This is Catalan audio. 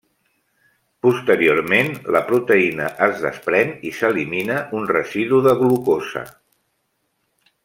Posteriorment, la proteïna es desprèn i s'elimina un residu de glucosa.